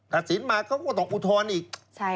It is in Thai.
ถัดสินมาก็ต้องอุทธรณ์อีก